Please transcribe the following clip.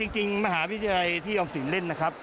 จริงมหาวิทยาลัยที่ออมสินเล่นนะครับ